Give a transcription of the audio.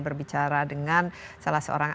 berbicara dengan salah seorang